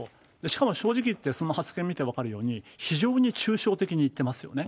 しかも正直言って、その発言見て分かるように、非常に抽象的に言ってますよね。